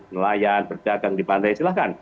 nelayan berdagang di pantai silahkan